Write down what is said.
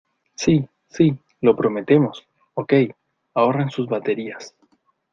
¡ Sí! ¡ sí !¡ lo prometemos !¡ ok ! ahorren sus baterías.